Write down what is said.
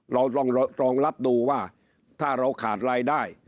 เราต้องรองรับดูว่าถ้าเราขาดรายได้